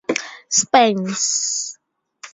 Spence.